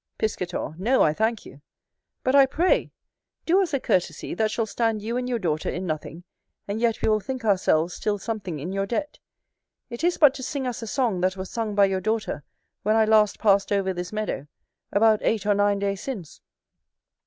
Piscator. No, I thank you; but, I pray, do us a courtesy that shall stand you and your daughter in nothing, and yet we will think ourselves still something in your debt: it is but to sing us a song that was sung by your daughter when I last passed over this meadow, about eight or nine days since.